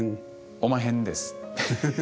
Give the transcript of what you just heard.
おまへんです。